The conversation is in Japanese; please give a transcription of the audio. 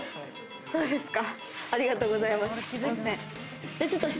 そうですか。